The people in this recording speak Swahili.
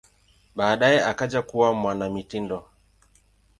Baadaye akaja kuwa mwanamitindo.